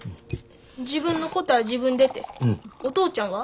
自分のことは自分でてお父ちゃんは？